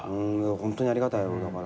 ホントにありがたいだから。